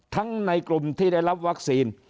ในกลุ่มที่ได้รับวัคซีน